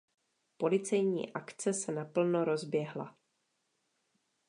Policejní akce se naplno rozběhla.